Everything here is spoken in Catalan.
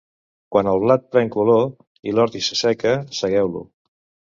Quan el blat pren color i l'ordi s'asseca, segueu-lo.